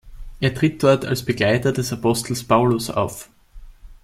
Er tritt dort als Begleiter des Apostels Paulus auf.